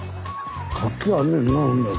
活気あんねんなほんなら。